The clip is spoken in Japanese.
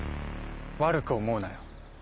悪く思うなよ。